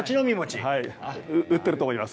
売ってると思います。